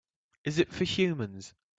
Is it for humans?